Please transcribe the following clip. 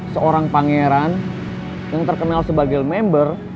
seorang pangeran yang terkenal sebagai member